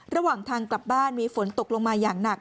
ระหว่างทางกลับบ้านมีฝนตกลงมาอย่างหนัก